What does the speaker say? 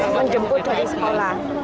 menjemput dari sekolah